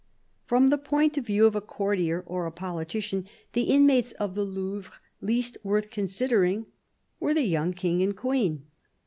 From the point of view of a courtier or a politician, the inmates of the Louvre least worth considering were the young King and Queen.